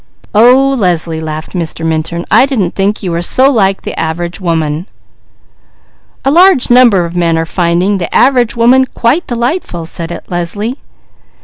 "Oh Leslie," laughed Mr. Minturn. "I didn't think you were so like the average woman." "A large number of men are finding 'the average woman' quite delightful," said Leslie.